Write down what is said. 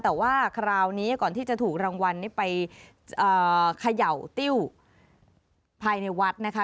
แต่ว่าคราวนี้ก่อนที่จะถูกรางวัลนี้ไปเขย่าติ้วภายในวัดนะคะ